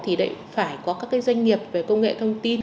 thì lại phải có các doanh nghiệp về công nghệ thông tin